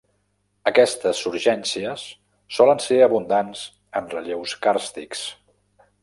Aquestes surgències solen ser abundants en relleus càrstics.